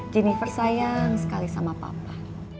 jennifer sayang sekali sama papa